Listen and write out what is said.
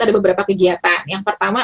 ada beberapa kegiatan yang pertama